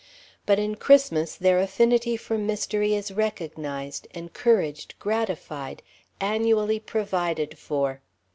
But in Christmas their affinity for mystery is recognized, encouraged, gratified, annually provided for.